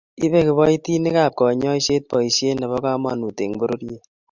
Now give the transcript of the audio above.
ibe kiboitinikab kanyoisiet boisiet nebo kamanut eng' bororiet